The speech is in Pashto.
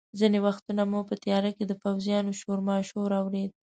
ځینې وختونه مو په تیاره کې د پوځیانو شورماشور اورېده.